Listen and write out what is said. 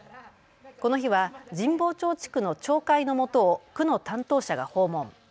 この日は神保町地区の町会のもとを区の担当者が訪問。